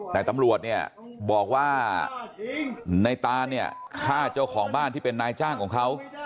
แต่ตำรวจเนี่ยบอกว่าในตานเนี่ยฆ่าเจ้าของบ้านที่เป็นนายจ้างของเขา